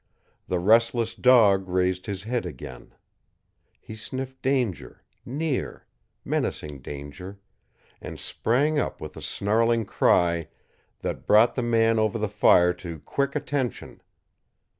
The restless dog raised his head again. He sniffed danger near, menacing danger and sprang up with a snarling cry that brought the man over the fire to quick attention.